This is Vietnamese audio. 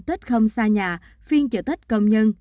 tết không xa nhà phiên chợ tết công nhân